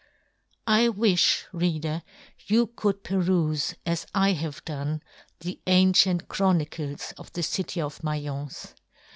I wifh, Reader, you could perufe, as I have done, the ancient Chronicles of the city of Maience.